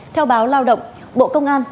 theo báo lao động bộ công an